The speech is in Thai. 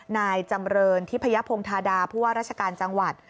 นายจำเรินทิพยพงธาดาผู้ว่าราชการจังหวัด